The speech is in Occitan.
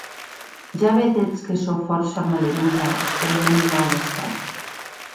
Ja vedetz que sò fòrça malerosa en mèn nau estat.